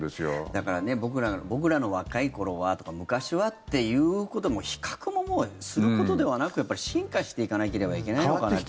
だから僕らの若い頃は昔はっていうことも比較ももうすることではなくやっぱり進化していかなければいけないのかなって。